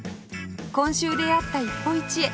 今週出会った一歩一会